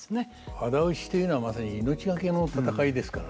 仇討というのはまさに命懸けの戦いですからね。